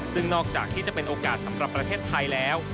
ซึ่งนอกจากที่จะเป็นโอกาสสำหรับประเทศไทยแล้ว